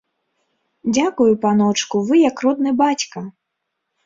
Дзякую, паночку, вы як родны бацька!